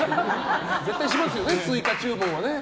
絶対しますよね、追加注文は。